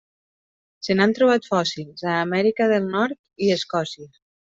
Se n'han trobat fòssils a Amèrica del Nord i Escòcia.